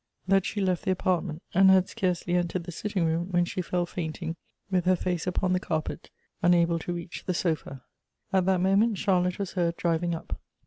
tliat she left the apartment, and had scarcely entered the sitting room, when she fell fainting, with her face upon the car pet, unable to reach the sofa. At that moment Charlotte was heard driving up.